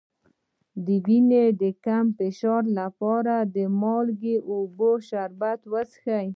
د وینې د کم فشار لپاره د مالګې او اوبو شربت وڅښئ